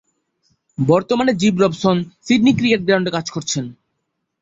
বর্তমানে Jim Robson Sydney cricket গ্রাউন্ডে কাজ করছেন।